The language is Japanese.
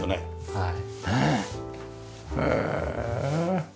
はい。